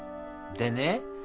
でね